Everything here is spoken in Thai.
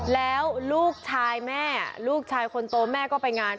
แล้วลูกชายแม่ลูกชายคนโตแม่ก็ไปงาน